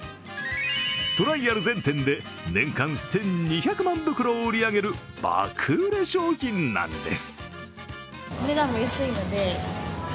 トライアル全店で年間１２００万袋を売り上げる爆売れ商品なんです。